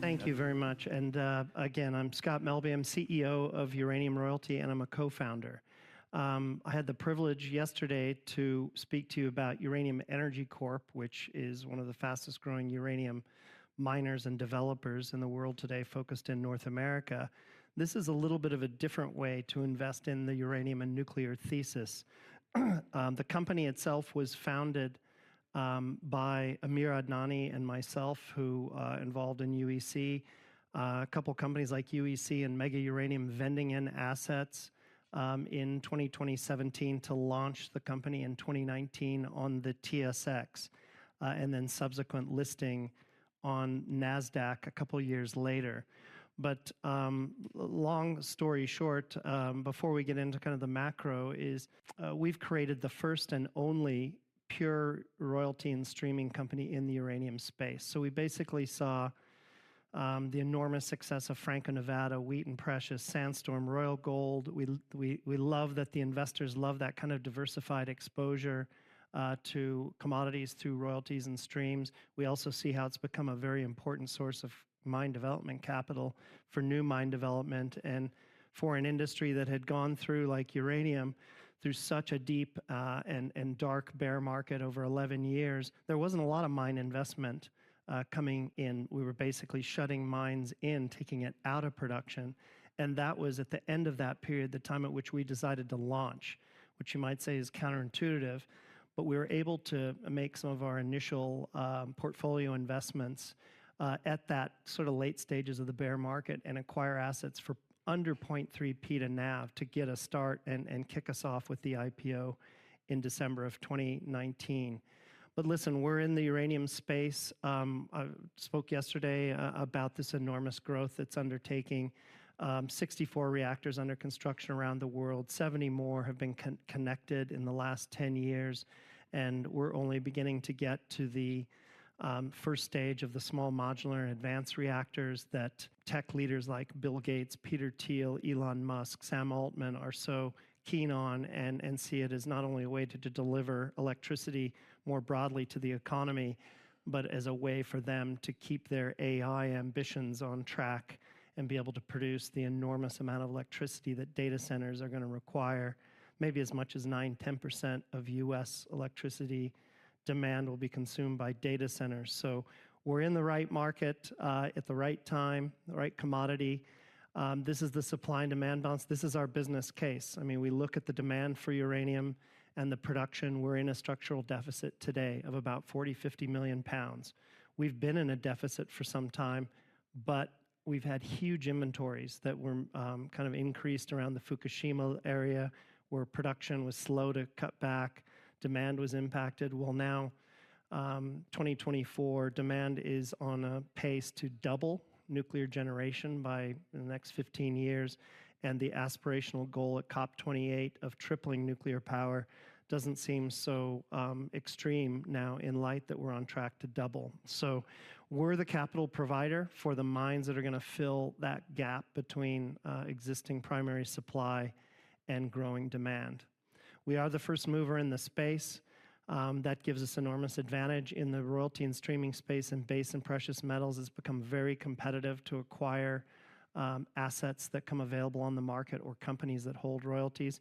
Thank you very much. And again, I'm Scott Melbye. I'm CEO of Uranium Royalty, and I'm a co-founder. I had the privilege yesterday to speak to you about Uranium Energy Corp, which is one of the fastest-growing uranium miners and developers in the world today, focused in North America. This is a little bit of a different way to invest in the uranium and nuclear thesis. The company itself was founded by Amir Adnani and myself, who are involved in UEC, a couple of companies like UEC and Mega Uranium vending in assets in 2017 to launch the company in 2019 on the TSX and then subsequent listing on NASDAQ a couple of years later. But long story short, before we get into kind of the macro, we've created the first and only pure royalty and streaming company in the uranium space. So we basically saw the enormous success of Franco-Nevada, Wheaton Precious Metals, Sandstorm, Royal Gold. We love that the investors love that kind of diversified exposure to commodities through royalties and streams. We also see how it's become a very important source of mine development capital for new mine development and for an industry that had gone through, like uranium, through such a deep and dark bear market over 11 years. There wasn't a lot of mine investment coming in. We were basically shutting mines in, taking it out of production. And that was at the end of that period, the time at which we decided to launch, which you might say is counterintuitive. But we were able to make some of our initial portfolio investments at that sort of late stages of the bear market and acquire assets for under 0.3x to NAV to get a start and kick us off with the IPO in December of 2019. But listen, we're in the uranium space. I spoke yesterday about this enormous growth it's undertaking. 64 reactors under construction around the world. 70 more have been connected in the last 10 years. We're only beginning to get to the first stage of the small modular advanced reactors that tech leaders like Bill Gates, Peter Thiel, Elon Musk, Sam Altman are so keen on and see it as not only a way to deliver electricity more broadly to the economy, but as a way for them to keep their AI ambitions on track and be able to produce the enormous amount of electricity that data centers are going to require. Maybe as much as nine, 10% of U.S. electricity demand will be consumed by data centers. We're in the right market at the right time, the right commodity. This is the supply and demand balance. This is our business case. I mean, we look at the demand for uranium and the production. We're in a structural deficit today of about 40-50 million pounds. We've been in a deficit for some time, but we've had huge inventories that were kind of increased around the Fukushima area where production was slow to cut back. Demand was impacted. Now, 2024, demand is on a pace to double nuclear generation by the next 15 years, and the aspirational goal at COP28 of tripling nuclear power doesn't seem so extreme now in light of that we're on track to double, so we're the capital provider for the mines that are going to fill that gap between existing primary supply and growing demand. We are the first mover in the space. That gives us enormous advantage in the royalty and streaming space, and base and precious metals has become very competitive to acquire assets that come available on the market or companies that hold royalties.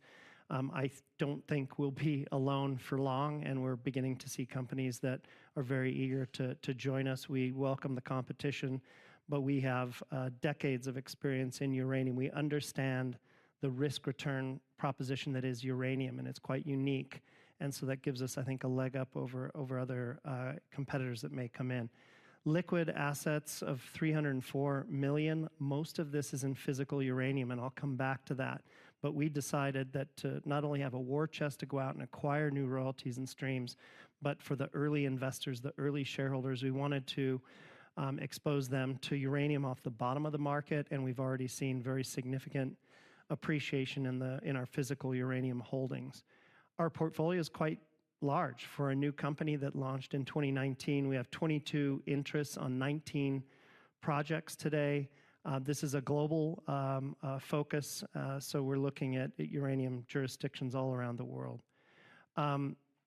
I don't think we'll be alone for long, and we're beginning to see companies that are very eager to join us. We welcome the competition, but we have decades of experience in uranium. We understand the risk-return proposition that is uranium, and it's quite unique. And so that gives us, I think, a leg up over other competitors that may come in. Liquid assets of 304 million. Most of this is in physical uranium, and I'll come back to that. But we decided that to not only have a war chest to go out and acquire new royalties and streams, but for the early investors, the early shareholders, we wanted to expose them to uranium off the bottom of the market. And we've already seen very significant appreciation in our physical uranium holdings. Our portfolio is quite large for a new company that launched in 2019. We have 22 interests on 19 projects today. This is a global focus. So we're looking at uranium jurisdictions all around the world.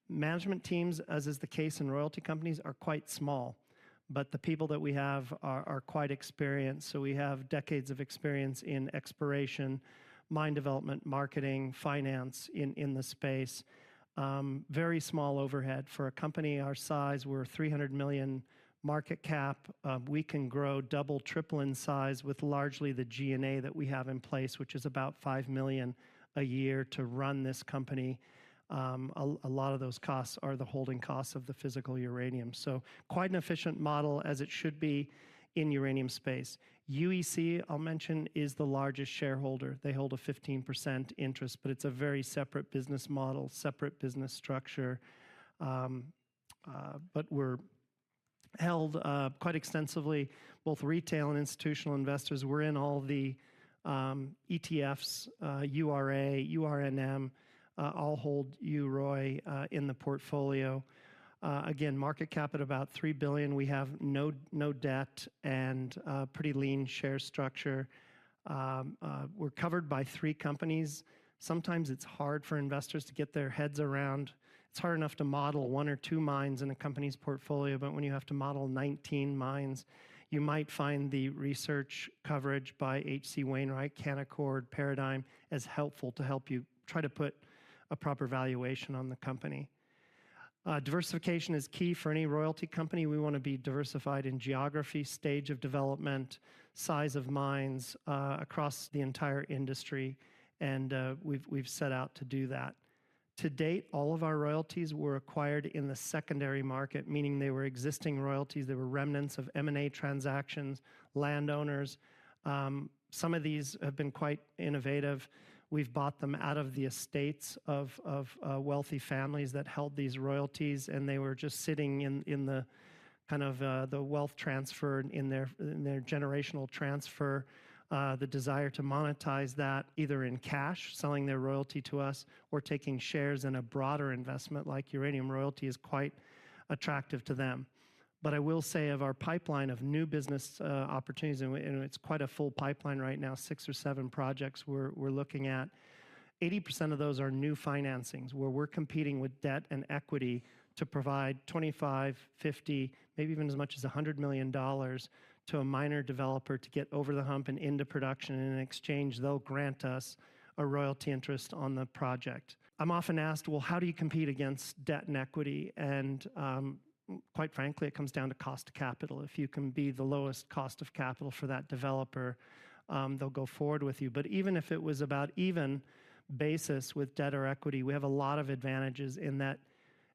Management teams, as is the case in royalty companies, are quite small, but the people that we have are quite experienced. So we have decades of experience in exploration, mine development, marketing, finance in the space. Very small overhead for a company our size. We're 300 million market cap. We can grow double, triple in size with largely the G&A that we have in place, which is about 5 million a year to run this company. A lot of those costs are the holding costs of the physical uranium. So quite an efficient model as it should be in uranium space. UEC, I'll mention, is the largest shareholder. They hold a 15% interest, but it's a very separate business model, separate business structure. But we're held quite extensively, both retail and institutional investors. We're in all the ETFs, URA, URNM, all hold UROY in the portfolio. Again, market cap at about 3 billion. We have no debt and pretty lean share structure. We're covered by three companies. Sometimes it's hard for investors to get their heads around. It's hard enough to model one or two mines in a company's portfolio, but when you have to model 19 mines, you might find the research coverage by H.C. Wainwright, Canaccord, Paradigm as helpful to help you try to put a proper valuation on the company. Diversification is key for any royalty company. We want to be diversified in geography, stage of development, size of mines across the entire industry. And we've set out to do that. To date, all of our royalties were acquired in the secondary market, meaning they were existing royalties. They were remnants of M&A transactions, landowners. Some of these have been quite innovative. We've bought them out of the estates of wealthy families that held these royalties, and they were just sitting in the kind of wealth transfer in their generational transfer. The desire to monetize that either in cash, selling their royalty to us, or taking shares in a broader investment like Uranium Royalty is quite attractive to them. But I will say of our pipeline of new business opportunities, and it's quite a full pipeline right now, six or seven projects we're looking at. 80% of those are new financings where we're competing with debt and equity to provide $25 million, $50 million, maybe even as much as $100 million to a miner developer to get over the hump and into production, and in exchange, they'll grant us a royalty interest on the project. I'm often asked, well, how do you compete against debt and equity? And quite frankly, it comes down to cost of capital. If you can be the lowest cost of capital for that developer, they'll go forward with you. But even if it was about even basis with debt or equity, we have a lot of advantages in that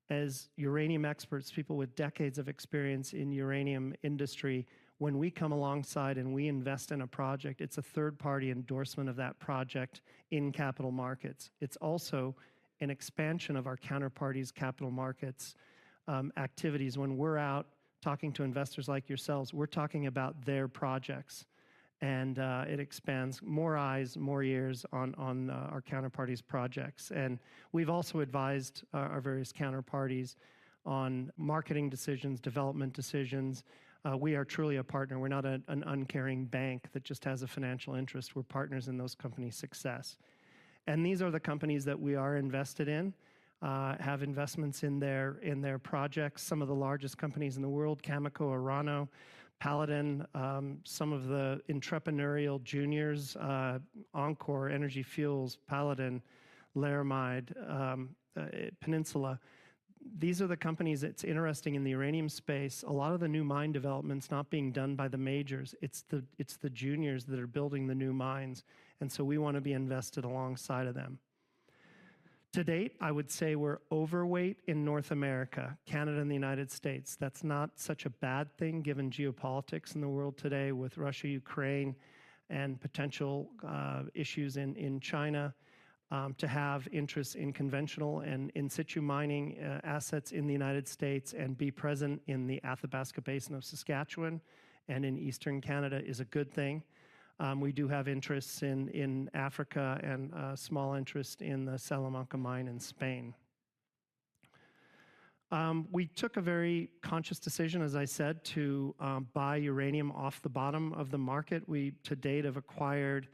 as uranium experts, people with decades of experience in the uranium industry, when we come alongside and we invest in a project, it's a third-party endorsement of that project in capital markets. It's also an expansion of our counterparties' capital markets activities. When we're out talking to investors like yourselves, we're talking about their projects. And it expands more eyes, more ears on our counterparties' projects. And we've also advised our various counterparties on marketing decisions, development decisions. We are truly a partner. We're not an uncaring bank that just has a financial interest. We're partners in those companies' success. And these are the companies that we are invested in, have investments in their projects. Some of the largest companies in the world, Cameco, Orano, Paladin, some of the entrepreneurial juniors, enCore Energy, Energy Fuels, Paladin, Laramide, Peninsula. These are the companies that's interesting in the uranium space. A lot of the new mine development's not being done by the majors. It's the juniors that are building the new mines. And so we want to be invested alongside of them. To date, I would say we're overweight in North America, Canada and the United States. That's not such a bad thing, given geopolitics in the world today with Russia, Ukraine, and potential issues in China, to have interests in conventional and in-situ mining assets in the United States and be present in the Athabasca Basin of Saskatchewan and in Eastern Canada is a good thing. We do have interests in Africa and a small interest in the Salamanca Mine in Spain. We took a very conscious decision, as I said, to buy uranium off the bottom of the market. We to date have acquired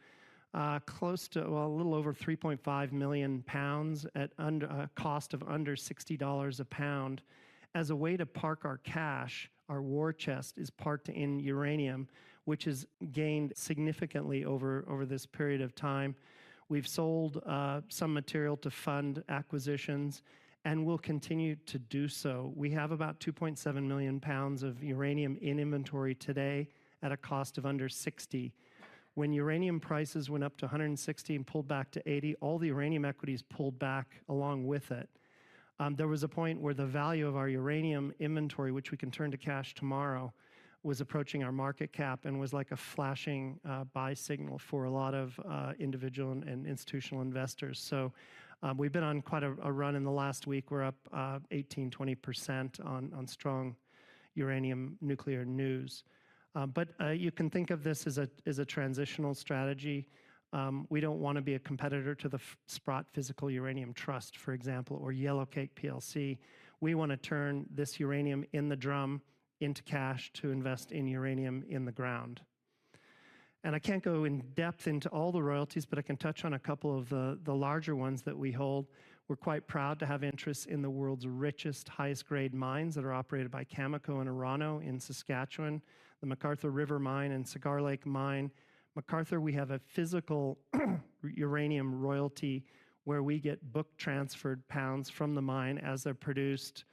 close to a little over 3.5 million pounds at a cost of under $60 a pound. As a way to park our cash, our war chest is parked in uranium, which has gained significantly over this period of time. We've sold some material to fund acquisitions and will continue to do so. We have about 2.7 million pounds of uranium in inventory today at a cost of under $60. When uranium prices went up to $160 and pulled back to $80, all the uranium equities pulled back along with it. There was a point where the value of our uranium inventory, which we can turn to cash tomorrow, was approaching our market cap and was like a flashing buy signal for a lot of individual and institutional investors. So we've been on quite a run in the last week. We're up 18%-20% on strong uranium nuclear news. But you can think of this as a transitional strategy. We don't want to be a competitor to the Sprott Physical Uranium Trust, for example, or Yellow Cake plc. We want to turn this uranium in the drum into cash to invest in uranium in the ground. I can't go in depth into all the royalties, but I can touch on a couple of the larger ones that we hold. We're quite proud to have interests in the world's richest, highest-grade mines that are operated by Cameco and Orano in Saskatchewan, the McArthur River Mine and Cigar Lake Mine. McArthur, we have a physical uranium royalty where we get book-transferred pounds from the mine as they're produced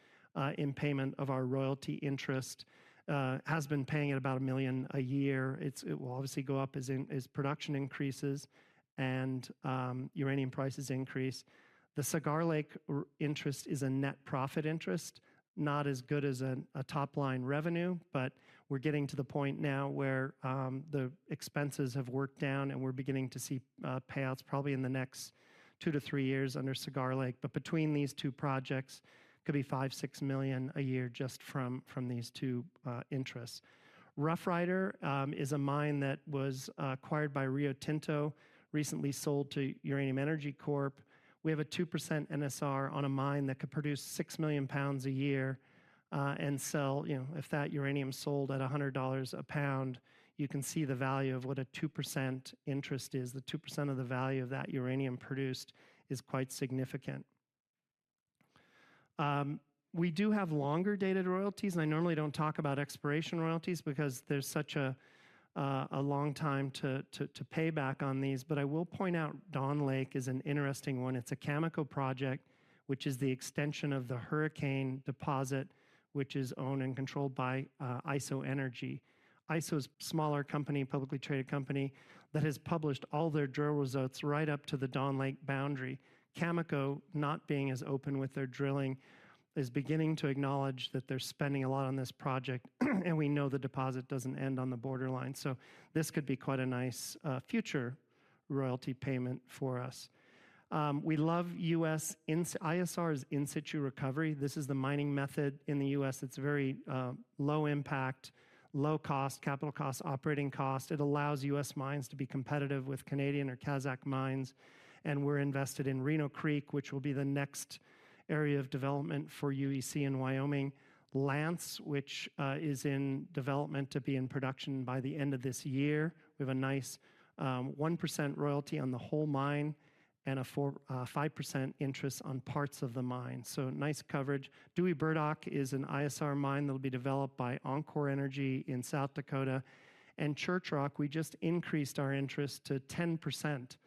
in payment of our royalty interest. Has been paying it about 1 million a year. It will obviously go up as production increases and uranium prices increase. The Cigar Lake interest is a net profit interest, not as good as a top-line revenue, but we're getting to the point now where the expenses have worked down and we're beginning to see payouts probably in the next two-to-three years under Cigar Lake. But between these two projects, it could be 5million-6 million a year just from these two interests. Roughrider is a mine that was acquired by Rio Tinto, recently sold to Uranium Energy Corp. We have a 2% NSR on a mine that could produce 6 million pounds a year and sell, you know, if that uranium sold at $100 a pound, you can see the value of what a 2% interest is. The 2% of the value of that uranium produced is quite significant. We do have longer-dated royalties. And I normally don't talk about expiration royalties because there's such a long time to pay back on these. But I will point out Dawn Lake is an interesting one. It's a Cameco project, which is the extension of the Hurricane Deposit, which is owned and controlled by IsoEnergy. ISO is a smaller company, publicly traded company that has published all their drill results right up to the Dawn Lake boundary. Cameco, not being as open with their drilling, is beginning to acknowledge that they're spending a lot on this project. And we know the deposit doesn't end on the borderline. So this could be quite a nice future royalty payment for us. We love U.S. ISRs, in-situ recovery. This is the mining method in the U.S. It's very low impact, low cost, capital cost, operating cost. It allows U.S. mines to be competitive with Canadian or Kazakh mines. And we're invested in Reno Creek, which will be the next area of development for UEC in Wyoming. Lance, which is in development to be in production by the end of this year. We have a nice 1% royalty on the whole mine and a 5% interest on parts of the mine. So nice coverage. Dewey Burdock is an ISR mine that will be developed by enCore Energy in South Dakota. Church Rock, we just increased our interest to 10%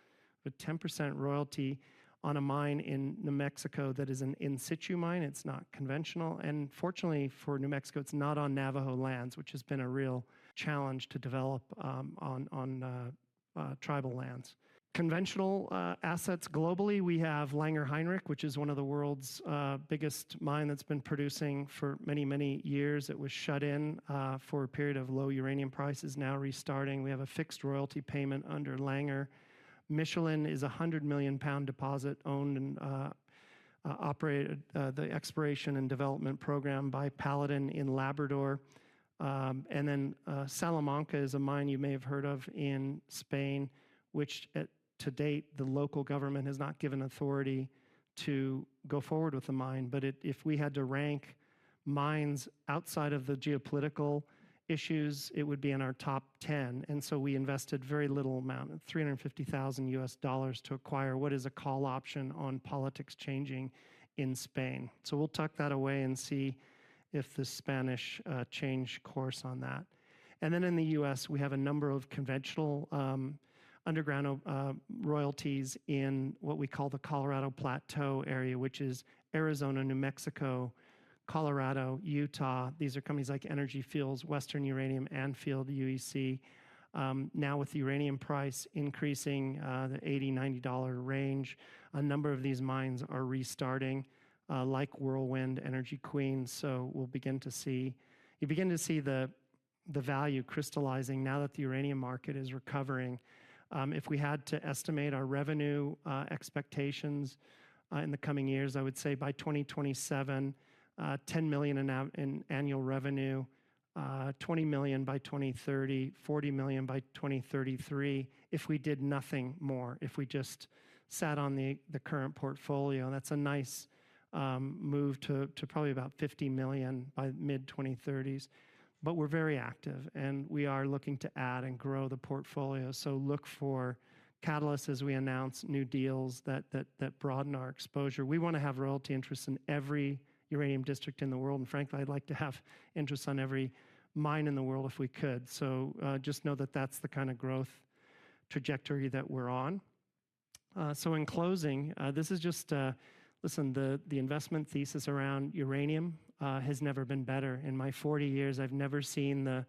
with 10% royalty on a mine in New Mexico that is an in-situ mine. It's not conventional. Fortunately for New Mexico, it's not on Navajo lands, which has been a real challenge to develop on tribal lands. Conventional assets globally, we have Langer Heinrich, which is one of the world's biggest mines that's been producing for many, many years. It was shut in for a period of low uranium prices, now restarting. We have a fixed royalty payment under Langer. Michelin is a 100-million pound deposit owned and operated, the exploration and development program by Paladin in Labrador. Salamanca is a mine you may have heard of in Spain, which to date, the local government has not given authority to go forward with the mine. But if we had to rank mines outside of the geopolitical issues, it would be in our top 10. We invested a very little amount, $350,000 USD to acquire what is a call option on politics changing in Spain. We'll tuck that away and see if the Spanish change course on that. In the US, we have a number of conventional underground royalties in what we call the Colorado Plateau area, which is Arizona, New Mexico, Colorado, Utah. These are companies like Energy Fuels, Western Uranium, and like UEC. Now with the uranium price increasing the $80-$90 range, a number of these mines are restarting like Whirlwind, Energy Queen. We'll begin to see. You begin to see the value crystallizing now that the uranium market is recovering. If we had to estimate our revenue expectations in the coming years, I would say by 2027, 10 million in annual revenue, 20 million by 2030, 40 million by 2033 if we did nothing more, if we just sat on the current portfolio, and that's a nice move to probably about 50 million by mid-2030s. But we're very active and we are looking to add and grow the portfolio, so look for catalysts as we announce new deals that broaden our exposure. We want to have royalty interests in every uranium district in the world. And frankly, I'd like to have interests on every mine in the world if we could, so just know that that's the kind of growth trajectory that we're on. So in closing, this is just, listen, the investment thesis around uranium has never been better. In my 40 years, I've never seen the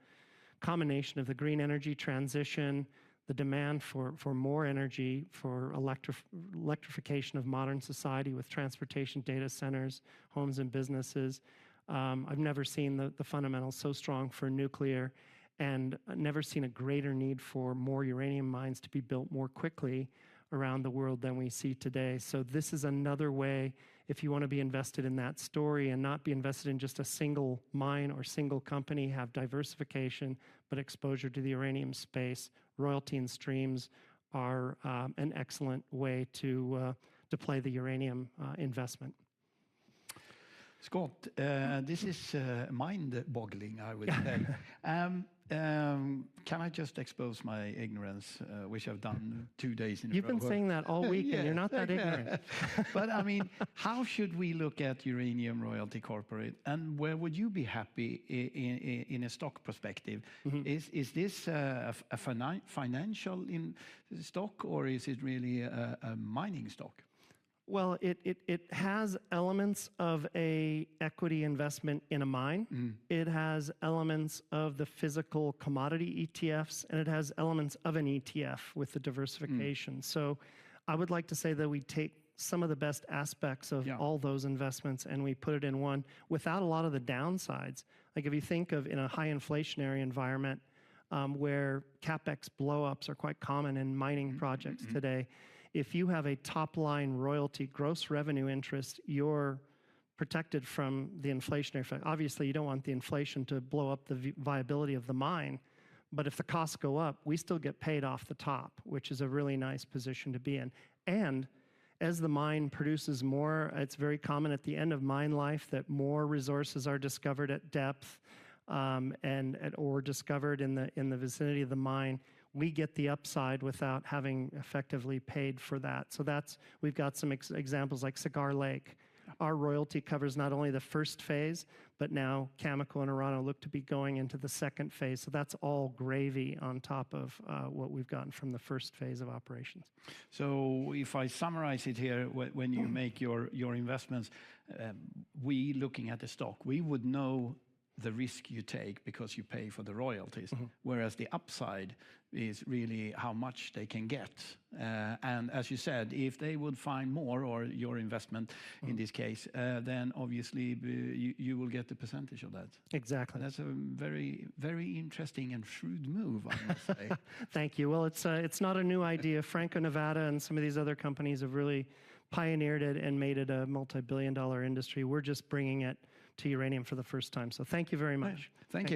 combination of the green energy transition, the demand for more energy for electrification of modern society with transportation, data centers, homes, and businesses. I've never seen the fundamentals so strong for nuclear and never seen a greater need for more uranium mines to be built more quickly around the world than we see today. So this is another way, if you want to be invested in that story and not be invested in just a single mine or single company, have diversification, but exposure to the uranium space, royalty and streams are an excellent way to play the uranium investment. Scott, this is mind-boggling, I would say. Can I just expose my ignorance, which I've done two days in a row? You've been saying that all weekend. You're not that ignorant. But I mean, how should we look at Uranium Royalty Corp. and where would you be happy in a stock perspective? Is this a financial stock or is it really a mining stock? It has elements of an equity investment in a mine. It has elements of the physical commodity ETFs and it has elements of an ETF with the diversification. So I would like to say that we take some of the best aspects of all those investments and we put it in one without a lot of the downsides. Like if you think of in a high inflationary environment where CapEx blow-ups are quite common in mining projects today, if you have a top-line royalty gross revenue interest, you're protected from the inflationary effect. Obviously, you don't want the inflation to blow up the viability of the mine, but if the costs go up, we still get paid off the top, which is a really nice position to be in. As the mine produces more, it's very common at the end of mine life that more resources are discovered at depth and/or discovered in the vicinity of the mine. We get the upside without having effectively paid for that. So we've got some examples like Cigar Lake. Our royalty covers not only the first phase, but now Cameco and Orano look to be going into the second phase. So that's all gravy on top of what we've gotten from the first phase of operations. If I summarize it here, when you make your investments, we're looking at the stock. We would know the risk you take because you pay for the royalties, whereas the upside is really how much they can get. And as you said, if they would find more of your investment in this case, then obviously you will get the percentage of that. Exactly. That's a very, very interesting and shrewd move, I must say. Thank you. Well, it's not a new idea. Franco-Nevada and some of these other companies have really pioneered it and made it a multi-billion-dollar industry. We're just bringing it to uranium for the first time. So thank you very much. Thank you.